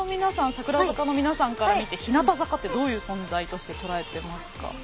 櫻坂の皆さんから見て日向坂ってどういう存在として捉えてますか？